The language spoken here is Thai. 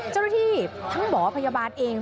เจ้าหน้าที่ทั้งหมอพยาบาลเอง